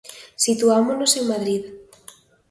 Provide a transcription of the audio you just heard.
Situámonos en Madrid.